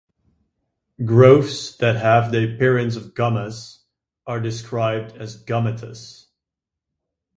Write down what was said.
Growths that have the appearance of gummas are described as gummatous.